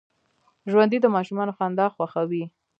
ژوندي د ماشومانو خندا خوښوي